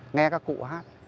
nghe các cụ hát